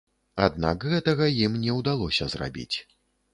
Аднак гэтага ім не ўдалося зрабіць.